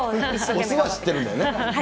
押すは知ってるんだね。